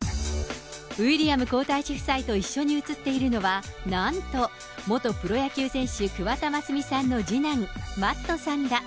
ウィリアム皇太子夫妻と一緒に写っているのは、なんと元プロ野球選手、桑田真澄さんの次男、Ｍａｔｔさんだ。